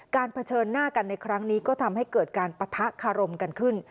เผชิญหน้ากันในครั้งนี้ก็ทำให้เกิดการปะทะคารมกันขึ้น